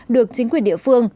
được chính quyền địa phương